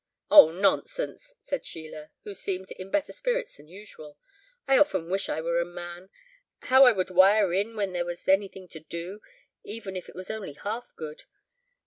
"Oh! nonsense," said Sheila, who seemed in better spirits than usual. "I often wish I were a man; how I would wire in when there was anything to do, even if it was only half good.